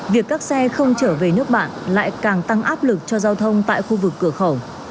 việc các xe không trở về nước bạn lại càng tăng áp lực cho giao thông tại khu vực cửa khẩu